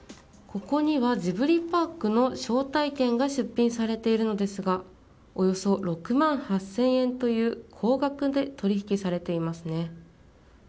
ここにはジブリパークの招待券が出品されていますがおよそ６万８０００円という高額で取引されていますね。